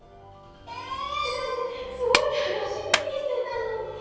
えだってすごい楽しみにしてたのに！